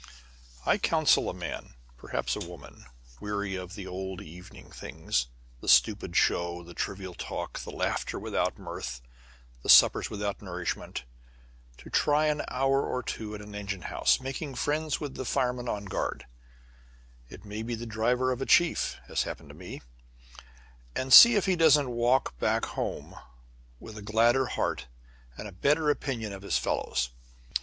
[Illustration: A RESCUE FROM A FIFTH STORY.] I counsel a man, perhaps a woman, weary of the old evening things, the stupid show, the trivial talk, the laughter without mirth, the suppers without nourishment, to try an hour or two at an engine house, making friends with the fireman on guard (it may be the driver of a chief, as happened to me), and see if he doesn't walk back home with a gladder heart and a better opinion of his fellows.